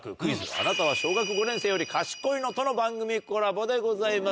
あなたは小学５年生より賢いの？』との番組コラボでございます